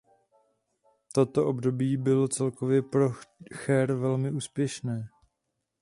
Toto období bylo celkově pro Cher velmi úspěšné.